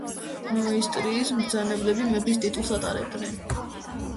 ნოისტრიის მბრძანებლები მეფის ტიტულს ატარებდნენ.